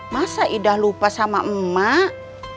masa idah lupa sama emak